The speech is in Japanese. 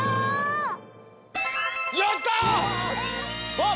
あっ